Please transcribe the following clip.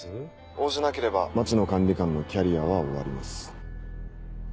応じなければ町野管理官のキャリアは終わります。